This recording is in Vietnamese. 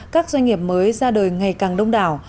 các doanh nghiệp mới ra đời ngày càng đông đảo